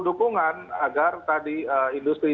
dukungan agar industri